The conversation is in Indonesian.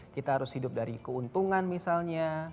kita harus hidup dari keuntungan misalnya